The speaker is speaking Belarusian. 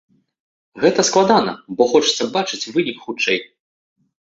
Гэта складана, бо хочацца бачыць вынік хутчэй.